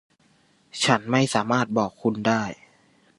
ฉันไม่สามารถบอกคุณได้.